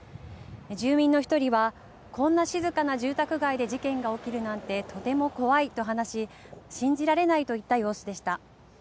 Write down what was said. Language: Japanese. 住民の１人はこんな静かな住宅街で事件が起きるなんてとても怖いと話し信じられないといった様子でした。